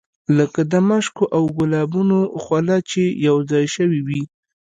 لکه د مشکو او ګلابو خوله چې یو ځای شوې وي.